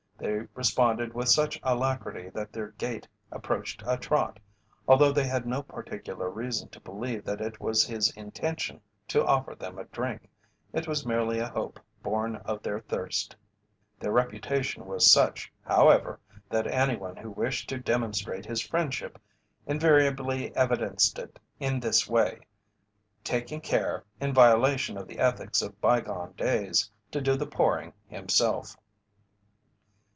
They responded with such alacrity that their gait approached a trot, although they had no particular reason to believe that it was his intention to offer them a drink. It was merely a hope born of their thirst. Their reputation was such, however, that any one who wished to demonstrate his friendship invariably evidenced it in this way, taking care, in violation of the ethics of bygone days, to do the pouring himself.